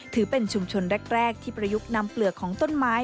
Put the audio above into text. ถือเป็นชุมชนแรกที่ประยุกต์นำเปลือกของต้นไม้